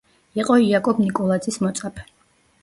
იყო იაკობ ნიკოლაძის მოწაფე.